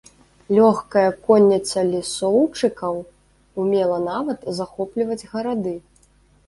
Лёгкая конніца лісоўчыкаў умела нават захопліваць гарады.